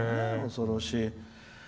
恐ろしい。